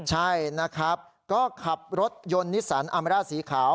ใช่นะครับก็ขับรถยนต์นิสันอามร่าสีขาว